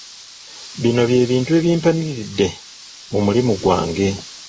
Bino bye bintu ebimpaniridde mu mulimo gwange.